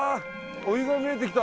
お湯が見えてきた！